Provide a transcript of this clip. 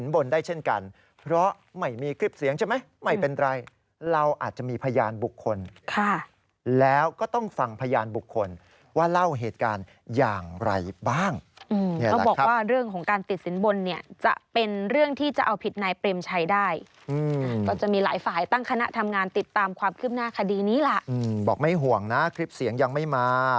บอกไม่ห่วงนะคลิปเสียงยังไม่มา